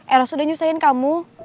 eros udah nyusahin kamu